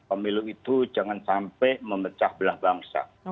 pemilu itu jangan sampai memecah belah bangsa